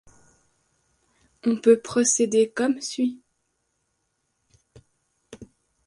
On peut procéder comme suit.